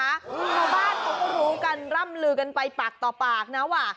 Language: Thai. ชาวบ้านเขาก็รู้กันร่ำลือกันไปปากต่อปากนะว่า